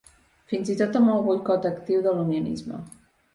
Fins i tot amb el boicot actiu de l’unionisme.